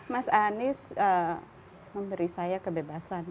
mas anies memberi saya kebebasan